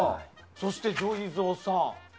そしてジョイゾーさん。